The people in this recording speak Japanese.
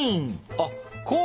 あっこう。